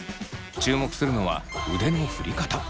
注目するのは腕の振り方。